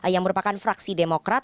yang merupakan fraksi demokrat